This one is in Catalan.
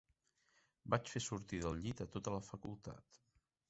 Vaig fer sortir del llit a tota la facultat.